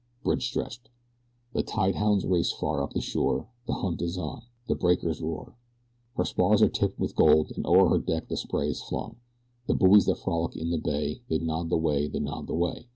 Bridge stretched. The tide hounds race far up the shore the hunt is on! The breakers roar! Her spars are tipped with gold, and o'er her deck the spray is flung, The buoys that frolic in the bay, they nod the way, they nod the way!